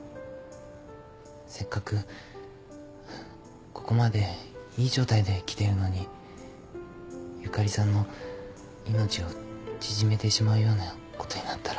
せっかくここまでいい状態できてるのにゆかりさんの命を縮めてしまうようなことになったら。